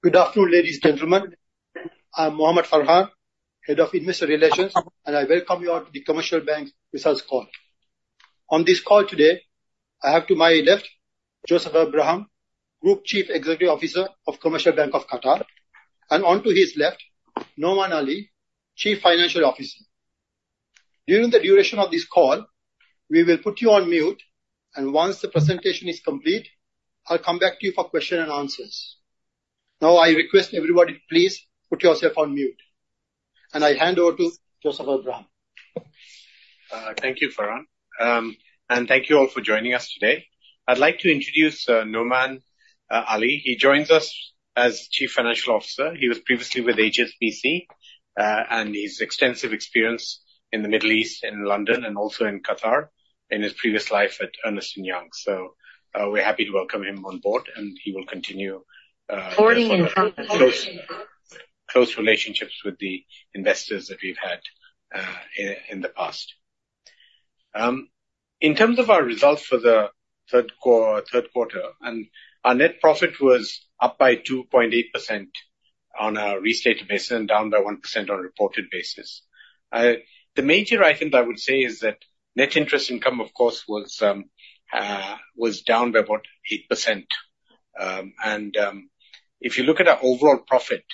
Good afternoon, ladies and gentlemen. I'm Mohamed Farhan, Head of Investor Relations, and I welcome you all to the Commercial Bank Results Call. On this call today, I have to my left, Joseph Abraham, Group Chief Executive Officer of Commercial Bank of Qatar, and onto his left, Noman Ali, Chief Financial Officer. During the duration of this call, we will put you on mute, and once the presentation is complete, I'll come back to you for question and answers. Now, I request everybody, please put yourself on mute, and I hand over to Joseph Abraham. Thank you, Farhan, and thank you all for joining us today. I'd like to introduce Noman Ali. He joins us as Chief Financial Officer. He was previously with HSBC, and he has extensive experience in the Middle East and London, and also in Qatar, in his previous life at Ernst & Young. We're happy to welcome him on board, and he will continue close relationships with the investors that we've had in the past. In terms of our results for the third quarter, and our net profit was up by 2.8% on a restated basis, and down by 1% on a reported basis. The major, I think I would say, is that net interest income, of course, was down by about 8%. If you look at our overall profit,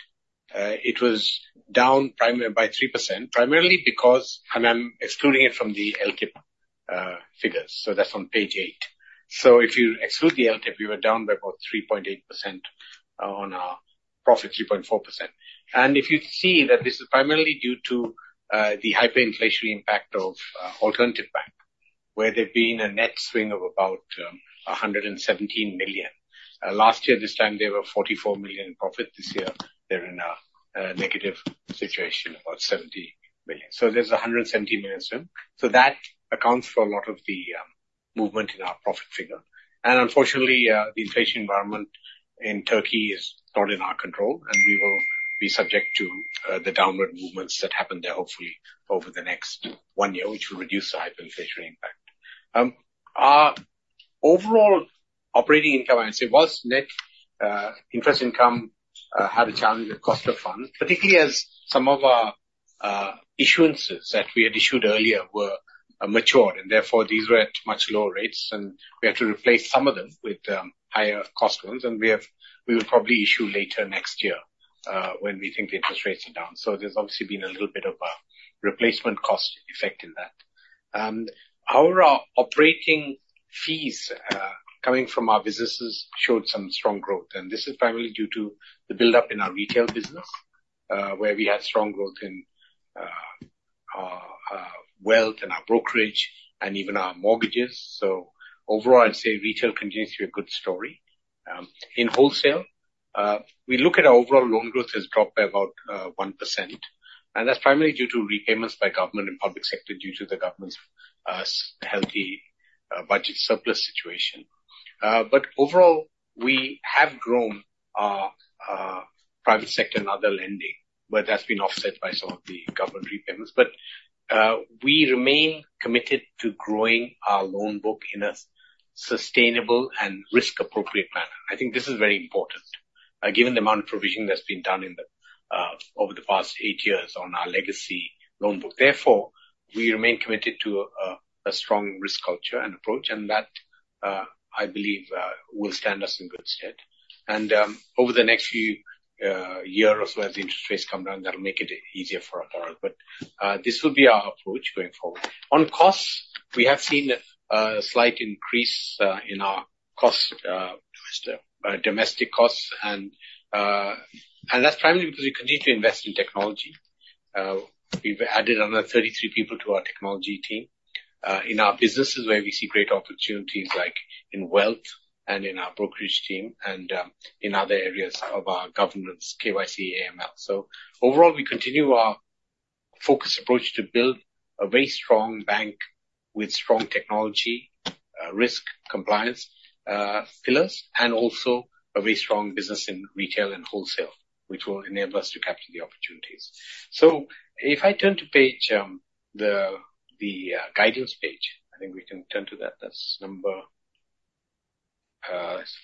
it was down primarily by 3%, primarily because... And I'm excluding it from the Alt figures, so that's on page 8. So if you exclude the Alt, we were down by about 3.8% on our profit, 3.4%. And if you see that this is primarily due to the hyperinflationary impact of Alternatif Bank, where there's been a net swing of about 117 million. Last year this time, they were 44 million in profit. This year, they're in a negative situation, about 70 million. So there's a 117 million swing. So that accounts for a lot of the movement in our profit figure. Unfortunately, the inflation environment in Turkey is not in our control, and we will be subject to the downward movements that happen there, hopefully over the next one year, which will reduce the hyperinflationary impact. Our overall operating income, I'd say, whilst net interest income had a challenge with cost of funds, particularly as some of our issuances that we had issued earlier were mature, and therefore, these were at much lower rates, and we had to replace some of them with higher cost ones. We will probably issue later next year when we think the interest rates are down. There's obviously been a little bit of a replacement cost effect in that. Our operating fees, coming from our businesses, showed some strong growth, and this is primarily due to the buildup in our retail business, where we had strong growth in wealth and our brokerage and even our mortgages, so overall, I'd say retail continues to be a good story. In wholesale, we look at our overall loan growth has dropped by about 1%, and that's primarily due to repayments by government and public sector due to the government's healthy budget surplus situation, but overall, we have grown our private sector and other lending, but that's been offset by some of the government repayments, but we remain committed to growing our loan book in a sustainable and risk-appropriate manner. I think this is very important, given the amount of provision that's been done over the past eight years on our legacy loan book. Therefore, we remain committed to a strong risk culture and approach, and that I believe will stand us in good stead over the next few year as well, the interest rates come down, that'll make it easier for us. This will be our approach going forward. On costs, we have seen a slight increase in our domestic costs and that's primarily because we continue to invest in technology. We've added another 33 people to our technology team in our businesses where we see great opportunities, like in wealth and in our brokerage team, and in other areas of our governance, KYC, AML. So overall, we continue our focused approach to build a very strong bank with strong technology, risk compliance, pillars, and also a very strong business in retail and wholesale, which will enable us to capture the opportunities. If I turn to page, guidance page, I think we can turn to that. That's number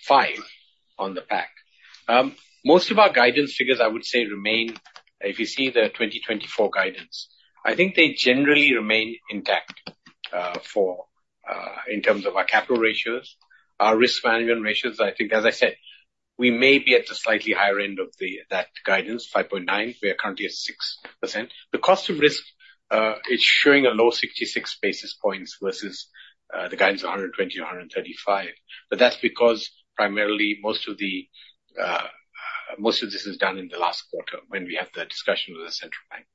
five on the back. Most of our guidance figures, I would say, remain. If you see the twenty twenty-four guidance, I think they generally remain intact, for in terms of our capital ratios, our risk management ratios, I think, as I said, we may be at the slightly higher end of that guidance, five point nine. We are currently at 6%. The cost of risk is showing a low 66 basis points versus the guidance of 120 to 135, but that's because primarily most of this is done in the last quarter when we had the discussion with the Central Bank.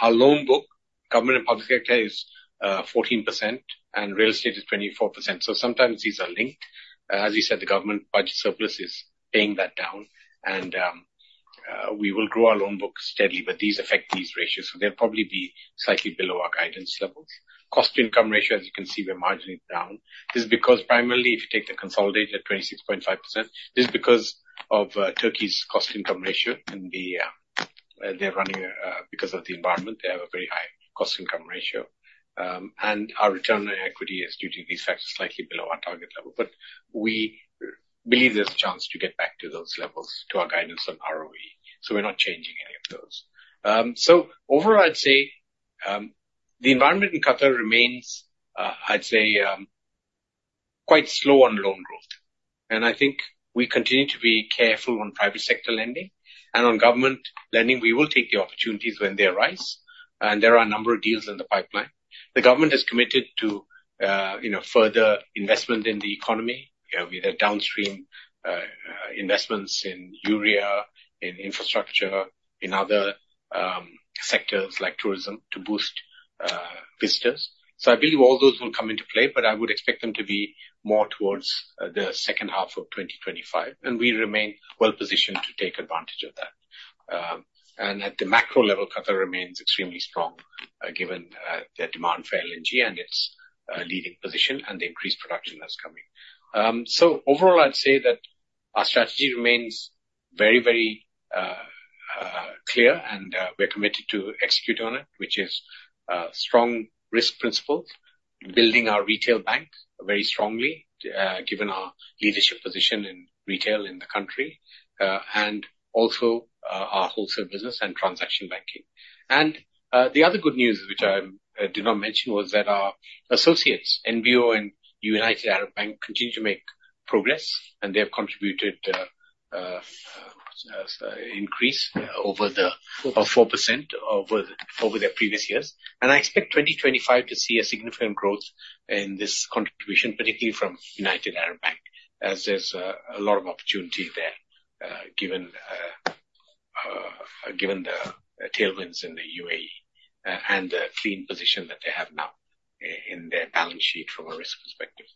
Our loan book, government and public sector is 14%, and real estate is 24%, so sometimes these are linked. As you said, the government budget surplus is paying that down, and we will grow our loan book steadily, but these affect these ratios, so they'll probably be slightly below our guidance levels. Cost-to-income ratio, as you can see, the margin is down. This is because primarily, if you take the consolidated 26.5%, this is because of Turkey's cost-income ratio and they're running because of the environment, they have a very high cost-income ratio. And our return on equity is due to be slightly below our target level. But we believe there's a chance to get back to those levels, to our guidance on ROE, so we're not changing any of those. So overall, I'd say the environment in Qatar remains quite slow on loan growth. And I think we continue to be careful on private sector lending. And on government lending, we will take the opportunities when they arise, and there are a number of deals in the pipeline. The government has committed to you know, further investment in the economy with the downstream investments in urea, in infrastructure, in other sectors like tourism, to boost visitors. So I believe all those will come into play, but I would expect them to be more towards the second half of twenty twenty-five, and we remain well positioned to take advantage of that, and at the macro level, Qatar remains extremely strong given the demand for LNG and its leading position and the increased production that's coming, so overall, I'd say that our strategy remains very, very clear, and we're committed to execute on it, which is strong risk principles, building our retail bank very strongly given our leadership position in retail in the country, and also our wholesale business and transaction banking. The other good news, which I did not mention, was that our associates, NBO and United Arab Bank, continue to make progress, and they have contributed an increase of 4% over their previous years. I expect 2025 to see a significant growth in this contribution, particularly from United Arab Bank, as there's a lot of opportunity there, given the tailwinds in the UAE, and the clean position that they have now in their balance sheet from a risk perspective.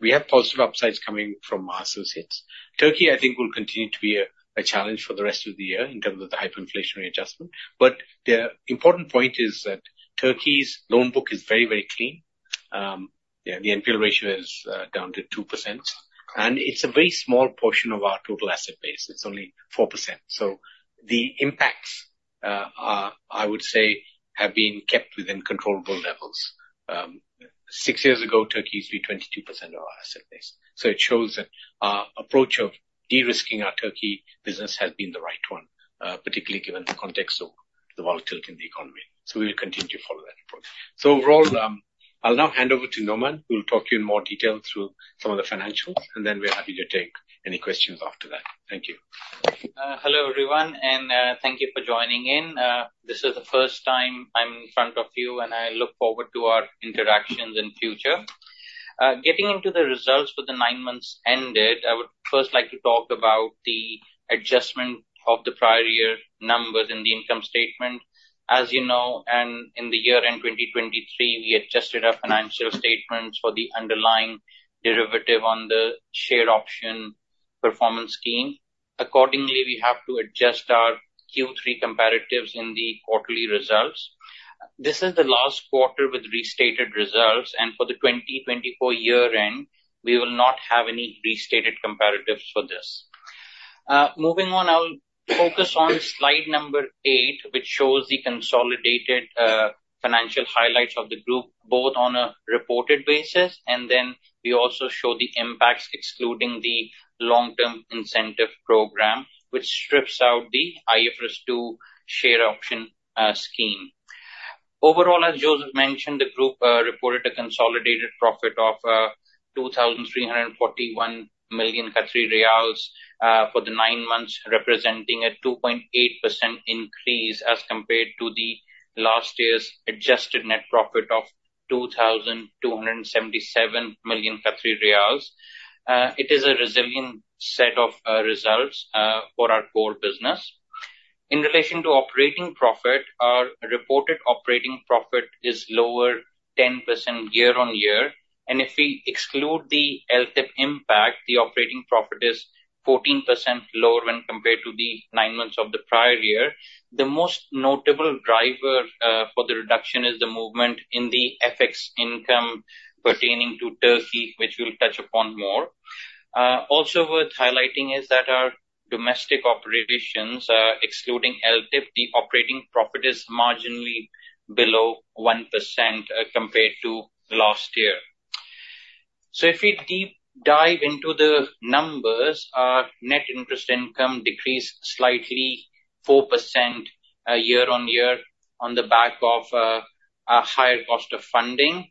We have positive upsides coming from our associates. Turkey, I think, will continue to be a challenge for the rest of the year in terms of the hyperinflationary adjustment. But the important point is that Turkey's loan book is very, very clean. Yeah, the NPL ratio is down to 2%, and it's a very small portion of our total asset base. It's only 4%. So the impacts are, I would say, have been kept within controllable levels. Six years ago, Turkey was 22% of our asset base. So it shows that our approach of de-risking our Turkey business has been the right one, particularly given the context of the volatility in the economy. So we will continue to follow that approach. So overall, I'll now hand over to Noman, who will talk you in more detail through some of the financials, and then we're happy to take any questions after that. Thank you. Hello, everyone, and thank you for joining in. This is the first time I'm in front of you, and I look forward to our interactions in future. Getting into the results for the nine months ended, I would first like to talk about the adjustment of the prior year numbers in the income statement. As you know, in the year-end 2023, we adjusted our financial statements for the underlying derivative on the share option performance scheme. Accordingly, we have to adjust our Q3 comparatives in the quarterly results. This is the last quarter with restated results, and for the 2024 year-end, we will not have any restated comparatives for this. Moving on, I'll focus on slide number eight, which shows the consolidated financial highlights of the group, both on a reported basis, and then we also show the impacts excluding the long-term incentive program, which strips out the IFRS 2 share option scheme. Overall, as Joseph mentioned, the group reported a consolidated profit of 2,341 million Qatari riyals for the nine months, representing a 2.8% increase, as compared to last year's adjusted net profit of 2,277 million Qatari riyals. It is a resilient set of results for our core business. In relation to operating profit, our reported operating profit is lower 10% year-on-year, and if we exclude the LTIP impact, the operating profit is 14% lower when compared to the nine months of the prior year. The most notable driver for the reduction is the movement in the FX income pertaining to Turkey, which we'll touch upon more. Also worth highlighting is that our domestic operations, excluding LTIP, the operating profit is marginally below 1%, compared to last year. So if we deep dive into the numbers, our net interest income decreased slightly, 4%, year-on-year, on the back of a higher cost of funding.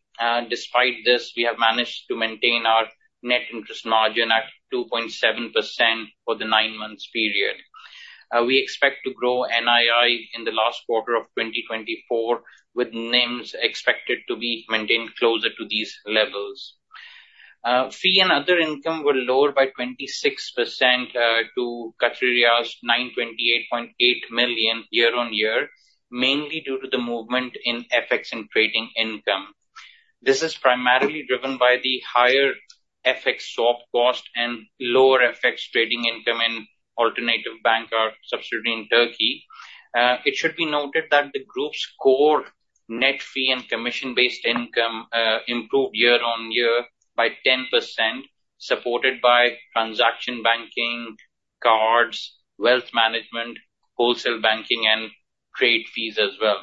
Despite this, we have managed to maintain our net interest margin at 2.7% for the nine months period. We expect to grow NII in the last quarter of twenty twenty-four, with NIMs expected to be maintained closer to these levels. Fee and other income were lower by 26%, to 928.8 million year on year, mainly due to the movement in FX and trading income. This is primarily driven by the higher FX swap cost and lower FX trading income in Alternatif Bank, our subsidiary in Turkey. It should be noted that the group's core net fee and commission-based income improved year-on-year by 10%, supported by transaction banking, cards, wealth management, wholesale banking, and trade fees as well.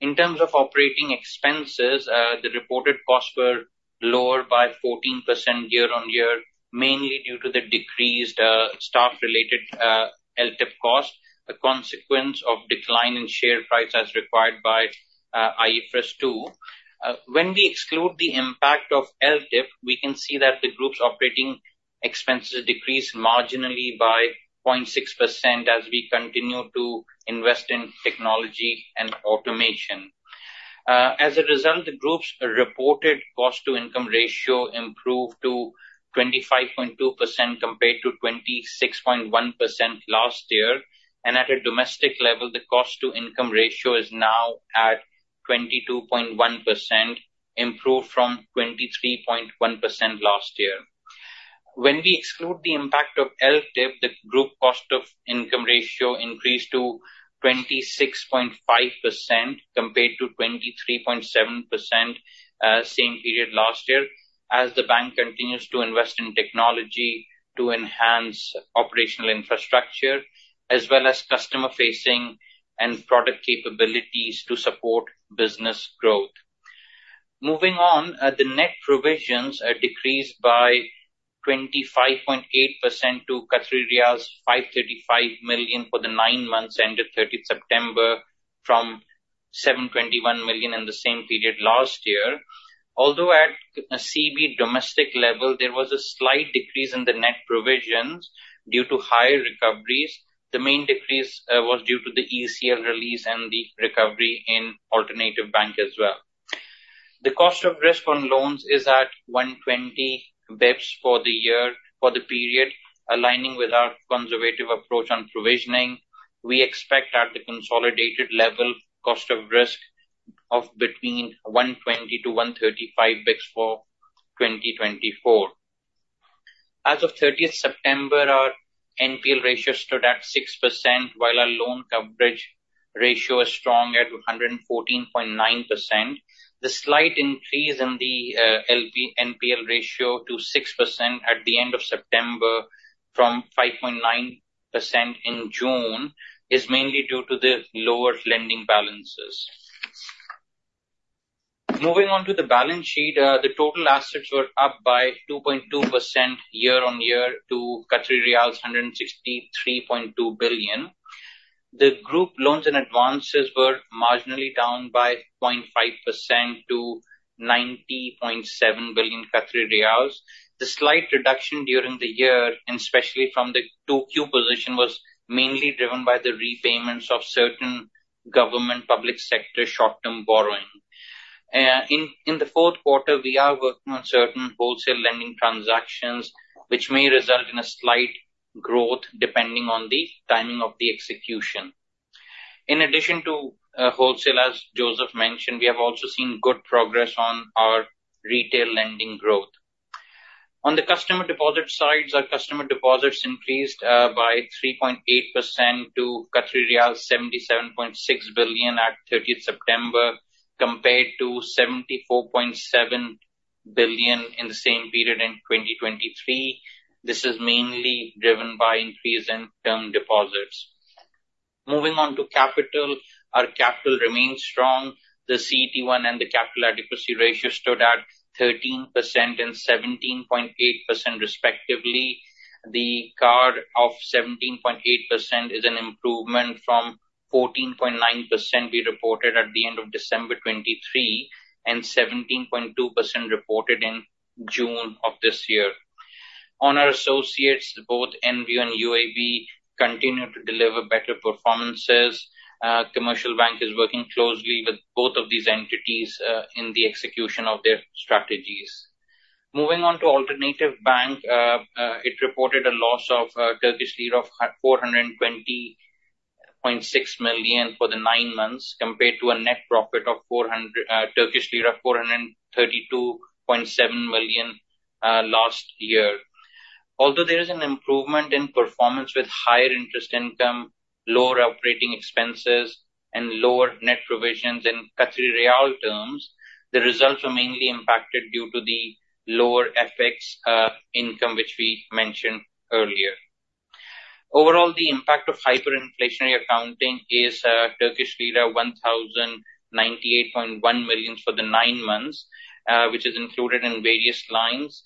In terms of operating expenses, the reported costs were lower by 14% year-on-year, mainly due to the decreased staff-related LTIP cost, a consequence of decline in share price as required by IFRS 2. When we exclude the impact of LTIP, we can see that the group's operating expenses decreased marginally by 0.6% as we continue to invest in technology and automation. As a result, the group's reported cost-to-income ratio improved to 25.2%, compared to 26.1% last year, and at a domestic level, the cost-to-income ratio is now at 22.1%, improved from 23.1% last year. When we exclude the impact of LTIP, the group cost-to-income ratio increased to 26.5% compared to 23.7% same period last year, as the bank continues to invest in technology to enhance operational infrastructure, as well as customer facing and product capabilities to support business growth. Moving on, the net provisions are decreased by 25.8% to 535 million for the nine months ended thirtieth September, from 721 million in the same period last year. Although at a CB domestic level, there was a slight decrease in the net provisions due to higher recoveries. The main decrease was due to the ECL release and the recovery in Alternatif Bank as well. The cost of risk on loans is at 120 basis points for the period, aligning with our conservative approach on provisioning. We expect at the consolidated level, cost of risk of between 120 to 135 basis points for 2024. As of thirtieth September, our NPL ratio stood at 6%, while our loan coverage ratio is strong at 114.9%. The slight increase in the NPL ratio to 6% at the end of September from 5.9% in June is mainly due to the lower lending balances. Moving on to the balance sheet, the total assets were up by 2.2% year-on-year, to 163.2 billion. The group loans and advances were marginally down by 0.5% to 90.7 billion Qatari riyals. The slight reduction during the year, and especially from the 2Q position, was mainly driven by the repayments of certain government public sector short-term borrowing. In the fourth quarter, we are working on certain wholesale lending transactions, which may result in a slight growth, depending on the timing of the execution. In addition to wholesale, as Joseph mentioned, we have also seen good progress on our retail lending growth. On the customer deposit sides, our customer deposits increased by 3.8% to riyal 77.6 billion at thirtieth September, compared to 74.7 billion in the same period in 2023. This is mainly driven by increase in term deposits. Moving on to capital. Our capital remains strong. The CET1 and the capital adequacy ratio stood at 13% and 17.8%, respectively. The CAR of 17.8% is an improvement from 14.9% we reported at the end of December 2023, and 17.2% reported in June of this year. On our associates, both NBO and UAB continue to deliver better performances. Commercial Bank is working closely with both of these entities in the execution of their strategies. Moving on to Alternatif Bank, it reported a loss of 420.6 million Turkish lira for the nine months, compared to a net profit of 432.7 million last year. Although there is an improvement in performance with higher interest income, lower operating expenses, and lower net provisions in QAR terms, the results are mainly impacted due to the lower FX income, which we mentioned earlier. Overall, the impact of hyperinflationary accounting is Turkish lira 1,098.1 million for the nine months, which is included in various lines.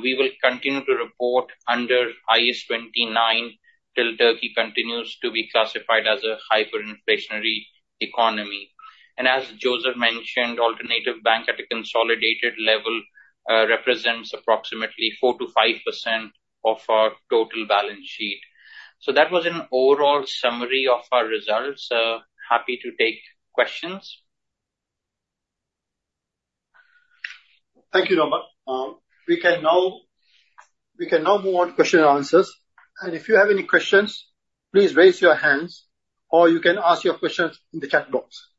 We will continue to report under IAS 29, till Turkey continues to be classified as a hyperinflationary economy. As Joseph mentioned, Alternatif Bank at a consolidated level represents approximately 4%-5% of our total balance sheet. That was an overall summary of our results. Happy to take questions. Thank you, Robert. We can now move on to question and answers, and if you have any questions, please raise your hands, or you can ask your questions in the chat box.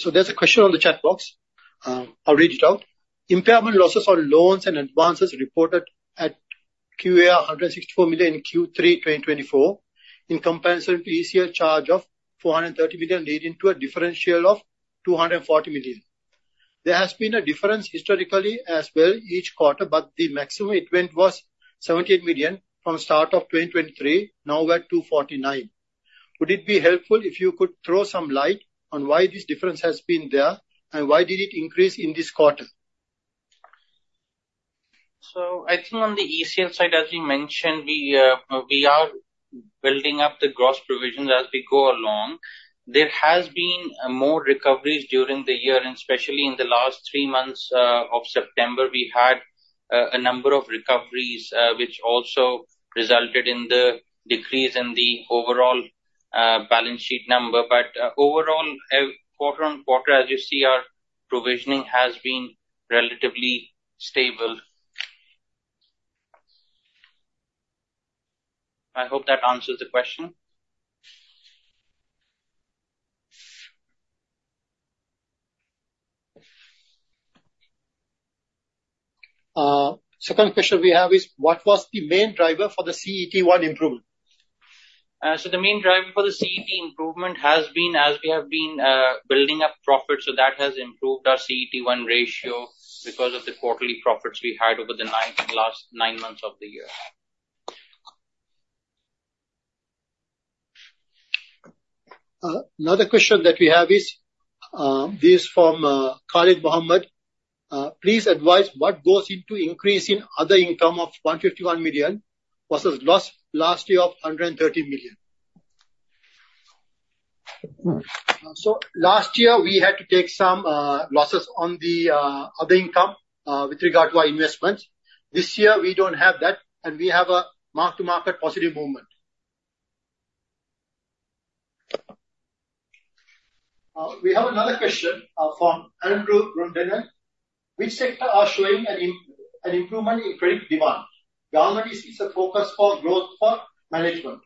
So there's a question on the chat box. I'll read it out. Impairment losses on loans and advances reported at QAR 164 million in Q3 2024, in comparison to ECL charge of 430 million, leading to a differential of 240 million. There has been a difference historically as well each quarter, but the maximum it went was 17 million from start of 2023, now we're at 249 million. Would it be helpful if you could throw some light on why this difference has been there, and why did it increase in this quarter? So, I think on the ECL side, as we mentioned, we are building up the gross provisions as we go along. There has been more recoveries during the year, and especially in the last three months of September, we had a number of recoveries, which also resulted in the decrease in the overall balance sheet number. But overall, quarter-on-quarter, as you see, our provisioning has been relatively stable. I hope that answers the question. Second question we have is, what was the main driver for the CET1 improvement? So the main driver for the CET improvement has been as we have been building up profits, so that has improved our CET1 ratio because of the quarterly profits we had over the last nine months of the year. Another question that we have is this from Khalid Mohammed. Please advise what goes into increasing other income of 151 million versus last year of 130 million? So last year, we had to take some losses on the other income with regard to our investments. This year, we don't have that, and we have a mark-to-market positive movement. We have another question from Andrew [Rundenne]. Which sectors are showing an improvement in credit demand? The areas we see as a focus for growth for the management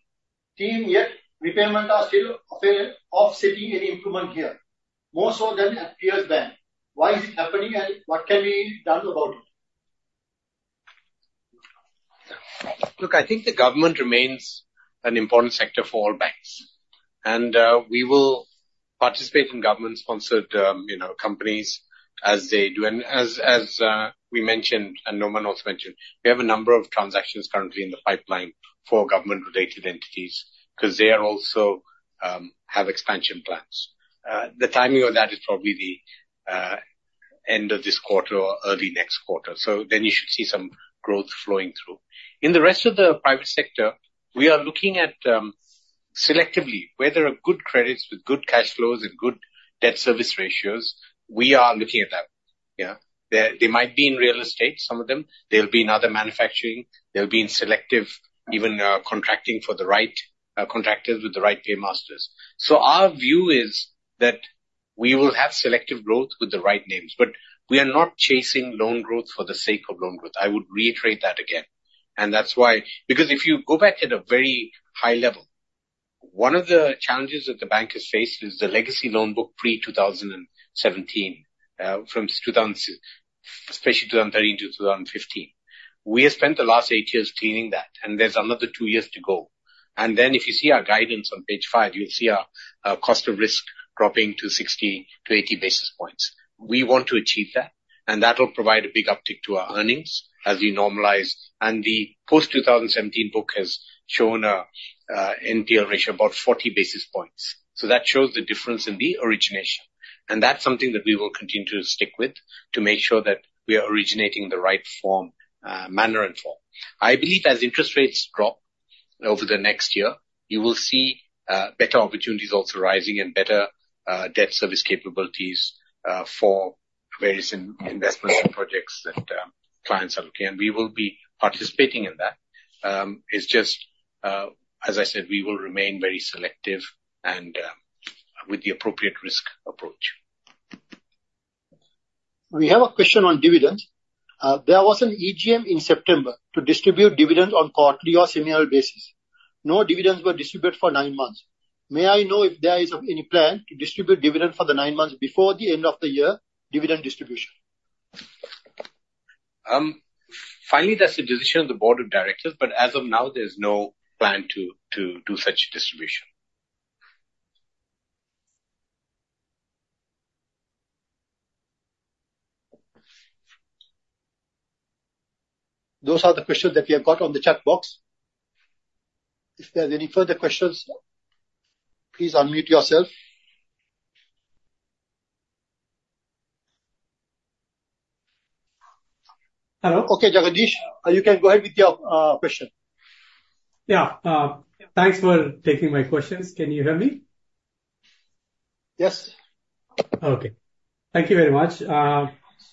team, yet repayments are still appearing to offset any improvement here, more so than at peer banks. Why is it happening, and what can be done about it? Look, I think the government remains an important sector for all banks, and we will participate in government-sponsored, you know, companies as they do, and as we mentioned, and Noman also mentioned, we have a number of transactions currently in the pipeline for government-related entities, because they are also have expansion plans. The timing of that is probably the end of this quarter or early next quarter, so then you should see some growth flowing through. In the rest of the private sector, we are looking at selectively, where there are good credits with good cash flows and good debt service ratios, we are looking at that. Yeah. They might be in real estate, some of them. They'll be in other manufacturing. They'll be in selective, even, contracting for the right contractors with the right pay masters. Our view is that we will have selective growth with the right names, but we are not chasing loan growth for the sake of loan growth. I would reiterate that again. And that's why. Because if you go back at a very high level, one of the challenges that the bank has faced is the legacy loan book pre-2017, from 2013 especially 2013-2015. We have spent the last eight years cleaning that, and there's another two years to go. And then, if you see our guidance on page five, you'll see our cost of risk dropping to 60-80 basis points. We want to achieve that, and that will provide a big uptick to our earnings as we normalize. The post-2017 book has shown a NPL ratio about 40 basis points. So that shows the difference in the origination, and that's something that we will continue to stick with to make sure that we are originating the right form, manner and form. I believe as interest rates drop over the next year, you will see better opportunities also rising and better debt service capabilities for various investments and projects that clients are looking at. And we will be participating in that. It's just, as I said, we will remain very selective and with the appropriate risk approach. We have a question on dividends. There was an EGM in September to distribute dividends on quarterly or semiannual basis. No dividends were distributed for nine months. May I know if there is any plan to distribute dividend for the nine months before the end of the year, dividend distribution? Finally, that's the decision of the board of directors, but as of now, there's no plan to do such distribution. Those are the questions that we have got on the chat box. If there are any further questions, please unmute yourself. Hello? Okay, Jagadish, you can go ahead with your question. Yeah, thanks for taking my questions. Can you hear me? Yes. Okay. Thank you very much.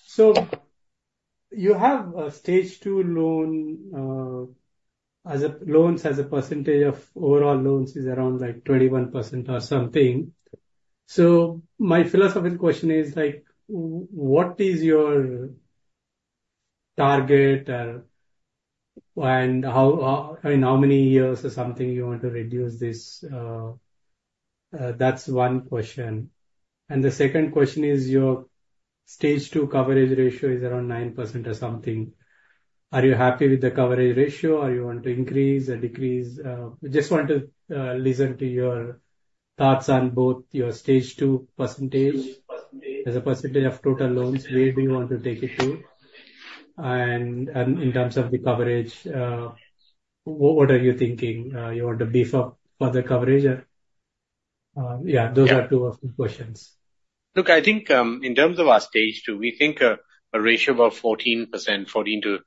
So you have a Stage 2 loan, loans as a percentage of overall loans is around, like, 21% or something. So my philosophical question is, like, what is your target? Or and how, I mean, how many years or something you want to reduce this, that's one question. And the second question is, your Stage 2 coverage ratio is around 9% or something. Are you happy with the coverage ratio, or you want to increase or decrease? We just want to listen to your thoughts on both your Stage 2 percentage, as a percentage of total loans, where do you want to take it to? And in terms of the coverage, what are you thinking? You want to beef up further coverage or, yeah, those are two of the questions. Look, I think, in terms of our Stage 2, we think, a ratio of 14%, 14% to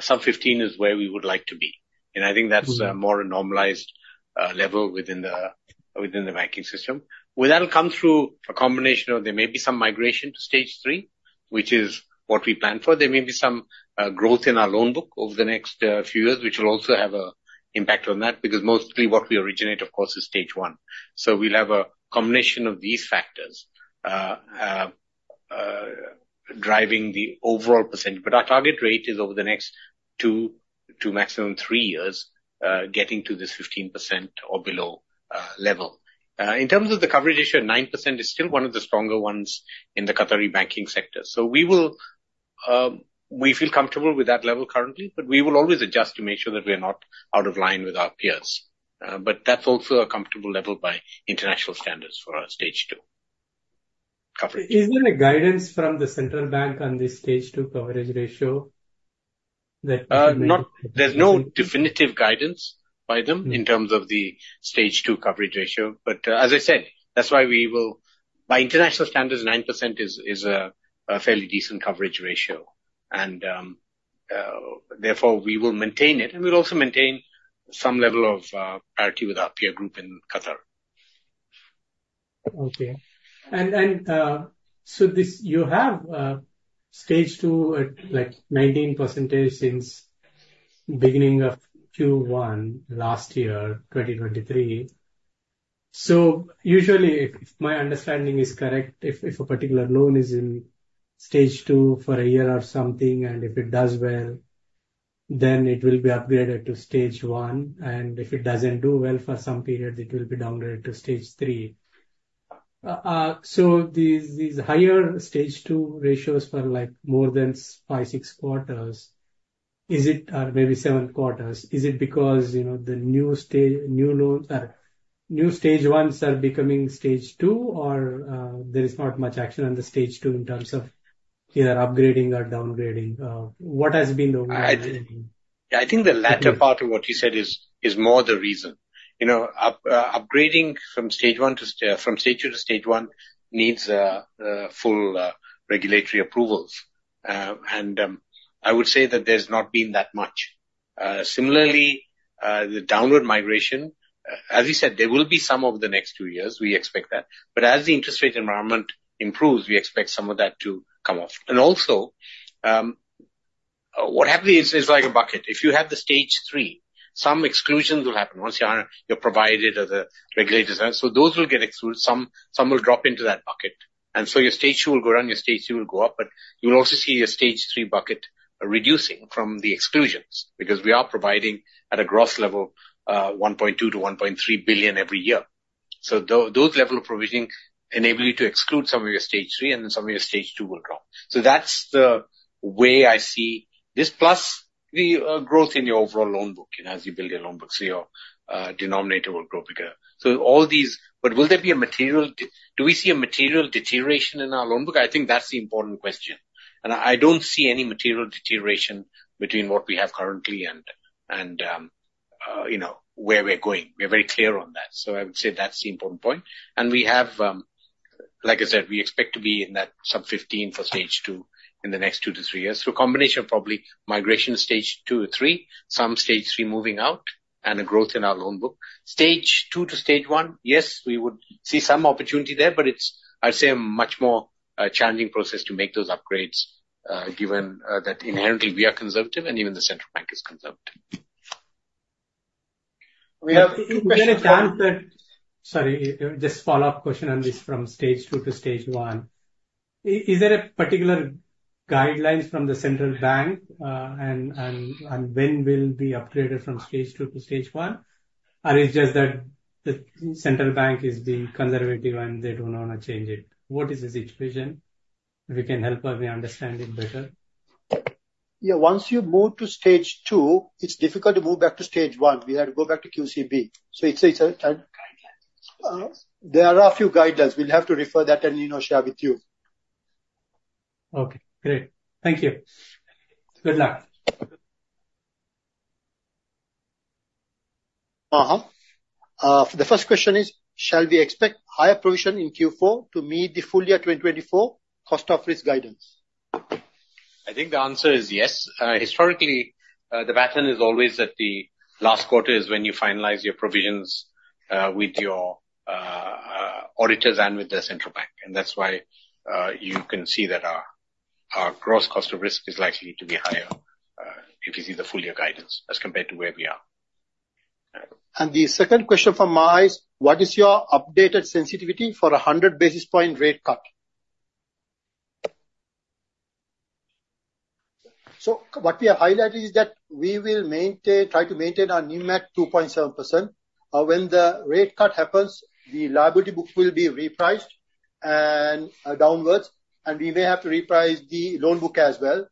sub-15% is where we would like to be. And I think that's more to a normalized level within the banking system. Well, that'll come through a combination of there may be some migration to Stage 3, which is what we plan for. There may be some growth in our loan book over the next few years, which will also have an impact on that, because mostly what we originate, of course, is Stage 1. So we'll have a combination of these factors driving the overall percentage. But our target rate is over the next two to maximum three years getting to this 15% or below level. In terms of the coverage ratio, 9% is still one of the stronger ones in the Qatari banking sector. So we will, we feel comfortable with that level currently, but we will always adjust to make sure that we are not out of line with our peers. But that's also a comfortable level by international standards for our Stage 2 coverage. Is there a guidance from the central bank on the Stage 2 coverage ratio that you may- There's no definitive guidance by them in terms of the Stage 2 coverage ratio. But, as I said, that's why we will. By international standards, 9% is a fairly decent coverage ratio. And, therefore, we will maintain it, and we'll also maintain some level of parity with our peer group in Qatar. Okay. And, and, so this, you have, Stage 2 at, like, 19% since beginning of Q1 last year, 2023. So usually, if my understanding is correct, if a particular loan is in Stage 2 for a year or something, and if it does well, then it will be upgraded to Stage 1, and if it doesn't do well for some period, it will be downgraded to Stage 3. So these higher Stage 2 ratios for, like, more than five, six quarters, is it, or maybe seven quarters, is it because, you know, the new loans, new Stage 1's are becoming Stage 2, or there is not much action on the Stage 2 in terms of either upgrading or downgrading? What has been the reason? Yeah, I think the latter part of what you said is more the reason. You know, upgrading from Stage 2 to Stage 1 needs full regulatory approvals. I would say that there's not been that much. Similarly, the downward migration, as you said, there will be some over the next two years. We expect that, but as the interest rate environment improves, we expect some of that to come off, and also what happens is like a bucket. If you have the Stage 3, some exclusions will happen once you're provided or the regulators. So those will get excluded. Some will drop into that bucket. And so your Stage 2 will go down, your Stage 2 will go up, but you'll also see your Stage 3 bucket reducing from the exclusions, because we are provisioning at a gross level, 1.2 billion-1.3 billion every year. So those level of provisioning enable you to exclude some of your Stage 3, and then some of your Stage 2 will drop. So that's the way I see this, plus the growth in your overall loan book, you know, as you build your loan book, so your denominator will grow bigger. So all these, but will there be a material deterioration in our loan book? I think that's the important question. And I don't see any material deterioration between what we have currently and you know, where we're going. We're very clear on that, so I would say that's the important point, and we have, like I said, we expect to be in that sub-15% for Stage 2 in the next two to three years. So a combination of probably migration Stage 2 to three, some Stage 3 moving out, and a growth in our loan book. Stage two to Stage 1, yes, we would see some opportunity there, but it's, I'd say, a much more challenging process to make those upgrades, given that inherently we are conservative and even the central bank is conservative. Sorry, just a follow-up question on this from Stage 2 to Stage 1. Is there a particular guidelines from the central bank, and when will be upgraded from Stage 2 to Stage 1? Or it's just that the central bank is being conservative and they don't wanna change it. What is the situation? If you can help us understand it better. Yeah, once you move to Stage 2, it's difficult to move back to Stage 1. We have to go back to QCB. So it's a, there are a few guidelines. We'll have to refer that, and, you know, share with you. Okay, great. Thank you. Good luck. The first question is, shall we expect higher provision in Q4 to meet the full year 2024 cost of risk guidance? I think the answer is yes. Historically, the pattern is always that the last quarter is when you finalize your provisions with your auditors and with the central bank. And that's why you can see that our gross cost of risk is likely to be higher if you see the full year guidance as compared to where we are. The second question from Mai is. What is your updated sensitivity for 100 basis points rate cut? What we have highlighted is that we will try to maintain our NIM at 2.7%. When the rate cut happens, the liability book will be repriced and downwards, and we may have to reprice the loan book as well.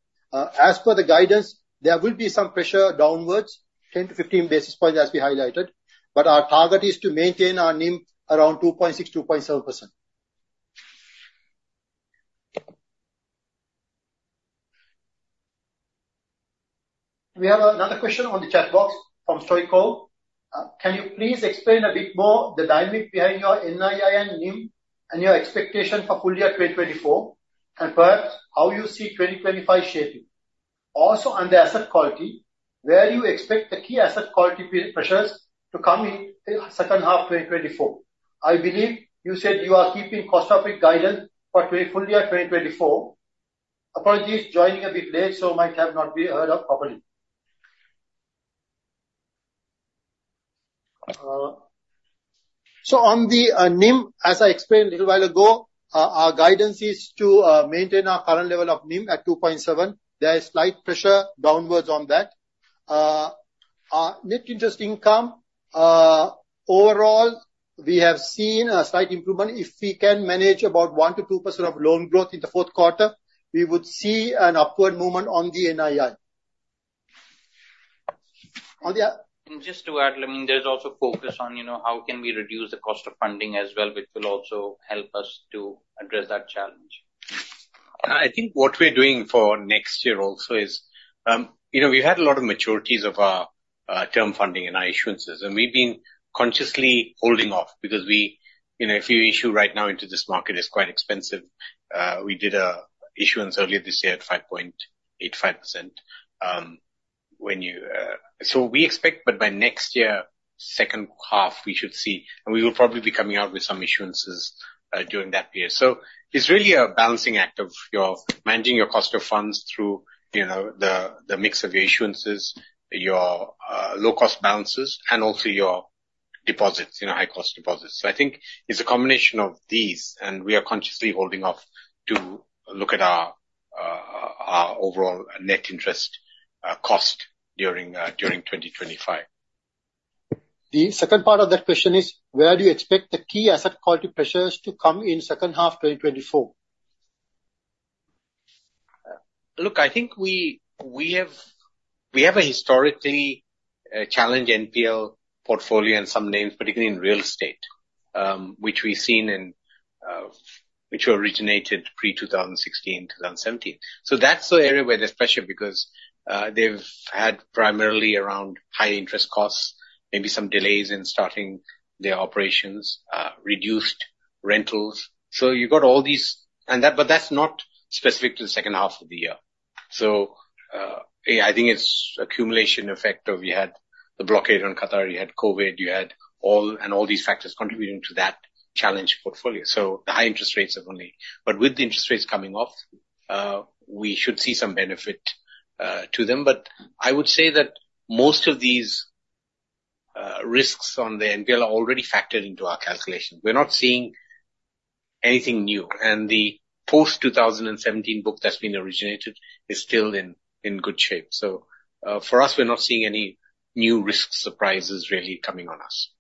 As per the guidance, there will be some pressure downwards, 10 to 15 basis points, as we highlighted, but our target is to maintain our NIM around 2.6%-2.7%. We have another question on the chat box from Stoico. Can you please explain a bit more the dynamic behind your NII and NIM and your expectation for full year 2024, and perhaps how you see 2025 shaping? Also, on the asset quality, where you expect the key asset quality pressures to come in in second half 2024. I believe you said you are keeping cost of risk guidance for full year 2024. Apologies, joining a bit late, so might have not heard it properly. So on the NIM, as I explained a little while ago, our guidance is to maintain our current level of NIM at 2.7. There is slight pressure downwards on that. Our net interest income, overall, we have seen a slight improvement. If we can manage about 1%-2% of loan growth in the fourth quarter, we would see an upward movement on the NII. Just to add, I mean, there's also focus on, you know, how can we reduce the cost of funding as well, which will also help us to address that challenge. I think what we're doing for next year also is, you know, we had a lot of maturities of our term funding and our issuances, and we've been consciously holding off because we, you know, if you issue right now into this market, it's quite expensive. We did an issuance earlier this year at 5.85%. When you. So we expect that by next year, second half, we should see, and we will probably be coming out with some issuances during that period. So it's really a balancing act of managing your cost of funds through, you know, the mix of your issuances, your low-cost balances, and also your deposits, you know, high-cost deposits. So I think it's a combination of these, and we are consciously holding off to look at our overall net interest cost during twenty twenty-five. The second part of that question is: Where do you expect the key asset quality pressures to come in second half 2024? Look, I think we have a historically challenged NPL portfolio and some names, particularly in real estate, which we've seen in which originated pre-two thousand and sixteen, two thousand and seventeen. So that's the area where there's pressure, because they've had primarily around high interest costs, maybe some delays in starting their operations, reduced rentals. So you've got all these and that, but that's not specific to the second half of the year. So yeah, I think it's accumulation effect of you had the blockade on Qatar, you had COVID, you had all, and all these factors contributing to that challenge portfolio. So the high interest rates have only. But with the interest rates coming off, we should see some benefit to them. But I would say that most of these risks on the NPL are already factored into our calculations. We're not seeing anything new, and the post-two thousand and seventeen book that's been originated is still in good shape. So, for us, we're not seeing any new risk surprises really coming on us.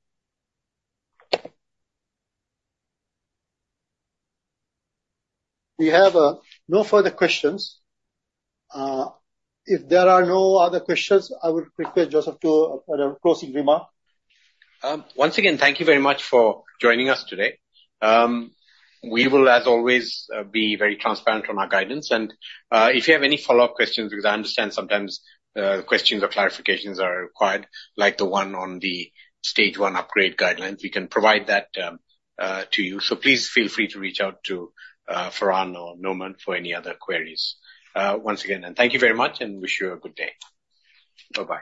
We have no further questions. If there are no other questions, I would request Joseph to for a closing remark. Once again, thank you very much for joining us today. We will, as always, be very transparent on our guidance. And, if you have any follow-up questions, because I understand sometimes, questions or clarifications are required, like the one on the Stage 1 upgrade guidelines, we can provide that to you. So please feel free to reach out to Farhan or Noman for any other queries. Once again, and thank you very much and wish you a good day. Bye-bye.